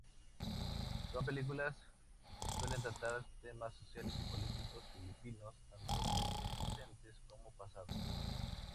Sus películas suelen tratar temas sociales y políticos filipinos, tanto presentes como pasados.